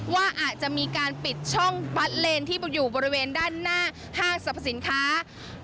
ว่าอาจจะมีการปิดช่องบัสเลนที่อยู่บริเวณด้านหน้าห้างสรรพสินค้า